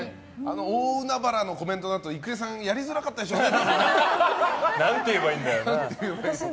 大海原のコメントのあと郁恵さんやりづらかったでしょうね。